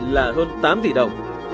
là hơn tám tỷ đồng